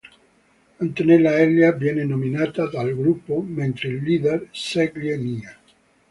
Antonella Elia viene nominata dal gruppo, mentre il leader sceglie Nina.